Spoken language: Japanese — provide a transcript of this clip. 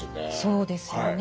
そうですよね。